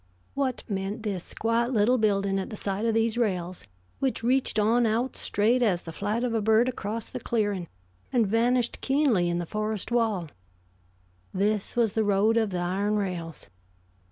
What meant this squat little building at the side of these rails which reached on out straight as the flight of a bird across the clearing and vanished keenly in the forest wall? This was the road of the iron rails.